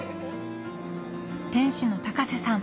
店主の瀬さん